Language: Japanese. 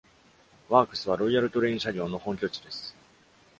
ワークスはロイヤル・トレイン車両の本拠地です。